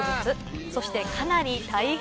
そしてかなり大変！